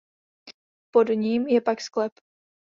Pod ním je pak sklep.